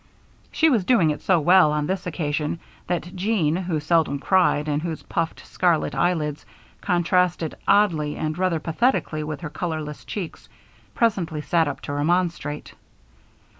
She was doing it so well on this occasion that Jean, who seldom cried and whose puffed, scarlet eyelids contrasted oddly and rather pathetically with her colorless cheeks, presently sat up to remonstrate.